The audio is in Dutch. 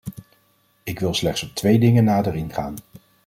Ik wil slechts op twee dingen nader ingaan.